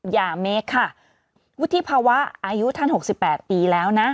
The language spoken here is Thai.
ยาเมคค่ะวุฒิภาวะอายุท่าน๖๘ปีแล้วนะ